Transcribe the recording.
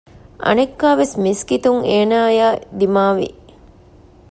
އަނެއްކާވެސް މިސްކިތުން އޭނާއާއި ދިމާވި